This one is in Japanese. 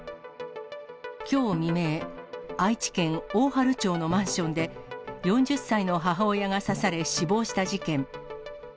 きょう未明、愛知県大治町のマンションで、４０歳の母親が刺され死亡した事件。